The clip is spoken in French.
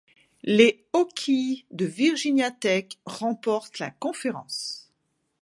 Les Hokies de Virginia Tech remportent la conférence.